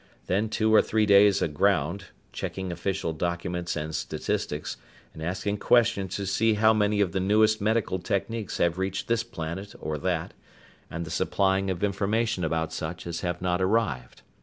Then two or three days aground, checking official documents and statistics, and asking questions to see how many of the newest medical techniques have reached this planet or that, and the supplying of information about such as have not arrived.